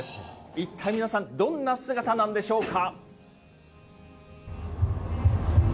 一体皆さん、どんな姿なんでしょうか。